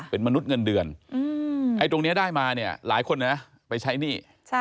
เป็นมนุษย์เงินเดือนไอ้ตรงนี้ได้มาเนี่ยหลายคนนะไปใช้หนี้